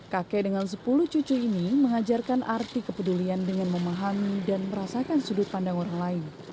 kakek dengan sepuluh cucu ini mengajarkan arti kepedulian dengan memahami dan merasakan sudut pandang orang lain